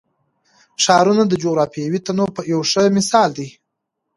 ښارونه د جغرافیوي تنوع یو ښه مثال دی.